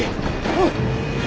おい！